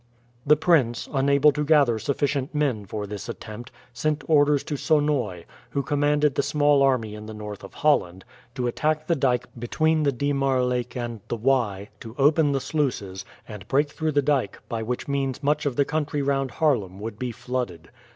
The prince, unable to gather sufficient men for this attempt, sent orders to Sonoy, who commanded the small army in the north of Holland, to attack the dyke between the Diemar Lake and the Y, to open the sluices, and break through the dyke, by which means much of the country round Haarlem would be flooded.